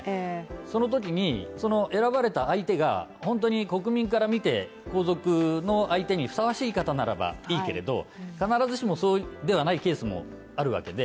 そのときに、選ばれた相手が本当に国民から見て、皇族の相手にふさわしい方ならばいいけれど、必ずしもそうではないケースもあるわけで。